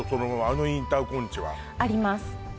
あのインターコンチはあります